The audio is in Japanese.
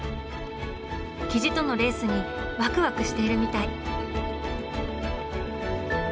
雉とのレースにワクワクしているみたい。